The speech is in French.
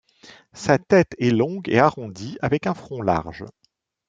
Sa tête est longue et arrondie avec un front large.